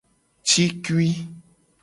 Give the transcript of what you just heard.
Cikui.